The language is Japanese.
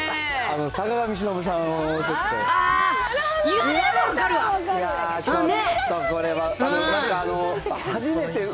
坂上忍さんをちょっと。